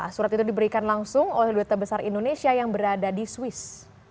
surat itu diberikan langsung oleh duta besar indonesia yang berada di swiss